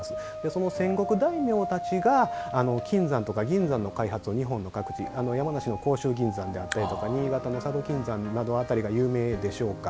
その戦国大名たちが金山とか金山の開発を日本の各地山梨の甲州金山とかであったり新潟の佐渡金山辺りが有名でしょうか。